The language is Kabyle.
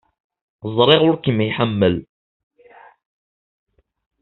Ẓriɣ ur kem-iḥemmel.